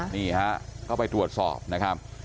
นี่ฮะก็ไปตรวจสอบนะครับ